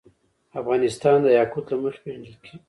افغانستان د یاقوت له مخې پېژندل کېږي.